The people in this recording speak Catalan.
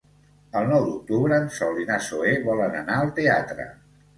El nou d'octubre en Sol i na Zoè volen anar al teatre.